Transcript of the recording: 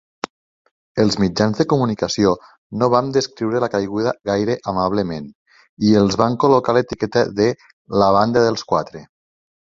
Els mitjans de comunicació no van descriure la caiguda gaire amablement, i els van col·locar l'etiqueta de la "Banda dels quatre".